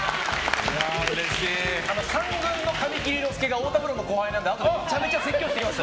３軍の神木隆之介が太田プロの後輩なんであとでめちゃめちゃ説教しておきます。